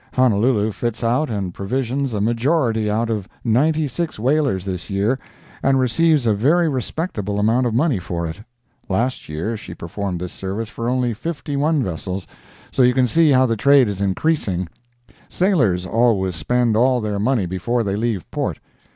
Honolulu fits out and provisions a majority out of ninety six whalers this year, and receives a very respectable amount of money for it. Last year she performed this service for only fifty one vessels—so you can see how the trade is increasing. Sailors always spend all their money before they leave port.